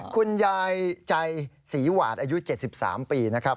คุณยายใจศรีหวาดอายุ๗๓ปีนะครับ